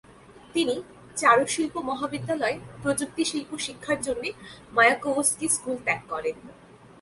তিনি চারুশিল্প মহাবিদ্যালয়ে প্রযুক্তিশিল্প শিক্ষার জন্যে মায়াকোভস্কি স্কুল ত্যাগ করেন।